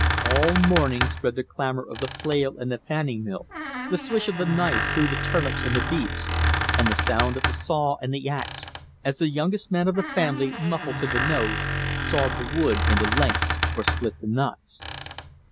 All morning spread the clamour of the flail and the fanning mill, the swish of the knife through the turnips and the beets, and the sound of the saw and the axe, as the youngest man of the family, muffled to the nose, sawed the wood into lengths or split the knots.